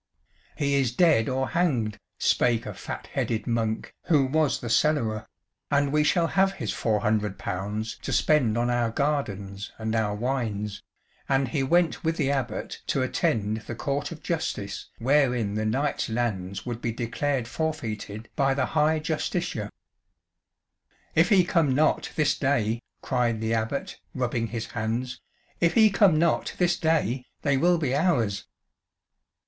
"He is dead or hanged," spake a fat headed monk who was the cellarer, "and we shall have his four hundred pounds to spend on our gardens and our wines," and he went with the Abbot to attend the court of justice wherein the knight's lands would he declared forfeited by the High Justiciar. "If he come not this day," cried the Abbot, rubbing his hands, "if he come not this day, they will be ours."